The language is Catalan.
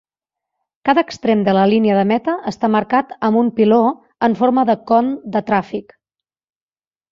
Cada extrem de la línia de meta està marcat amb un piló en forma de con de tràfic.